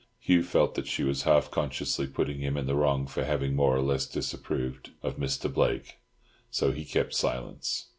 Hugh felt that she was half consciously putting him in the wrong for having more or less disapproved of Mr. Blake; so he kept silence.